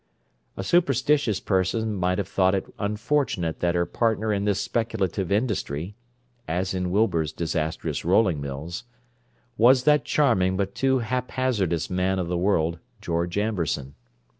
A superstitious person might have thought it unfortunate that her partner in this speculative industry (as in Wilbur's disastrous rolling mills) was that charming but too haphazardous man of the world, George Amberson.